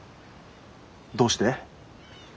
どうして？